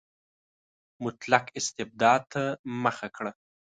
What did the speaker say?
مطلق استبداد ته مخه کړه.